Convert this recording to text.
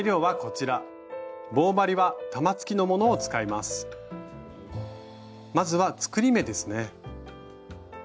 まずは作り目ですね。